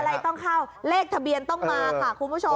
อะไรต้องเข้าเลขทะเบียนต้องมาค่ะคุณผู้ชม